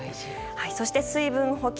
そして、水分補給。